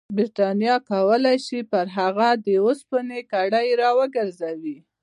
برټانیه کولای شي پر هغه د اوسپنې کړۍ راوګرځوي.